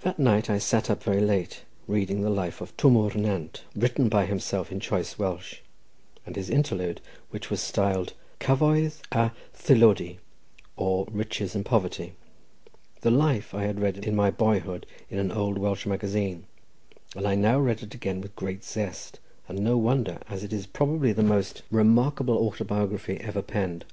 That night I sat up very late reading the life of Twm O'r Nant, written by himself in choice Welsh, and his interlude, which was styled "Cyfoeth a Thylody; or, Riches and Poverty." The life I had read in my boyhood in an old Welsh magazine, and I now read it again with great zest, and no wonder, as it is probably the most remarkable autobiography ever penned.